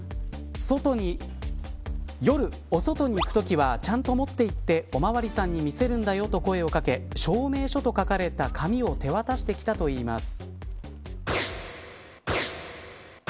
夜、お外に行くときはちゃんと持っていっておまわりさんに見せるんだよと声を掛け証明書と書かれた紙を手渡してきたといいます。